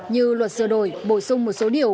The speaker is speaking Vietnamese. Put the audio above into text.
như luật sửa đổi bổ sung một số điều